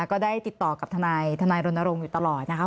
ก็ได้ติดต่อกับทนายรณรงค์อยู่ตลอดนะคะ